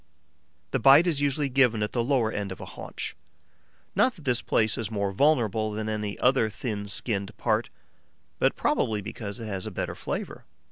The bite is usually given at the lower end of a haunch: not that this place is more vulnerable than any other thin skinned part, but probably because it has a better flavour.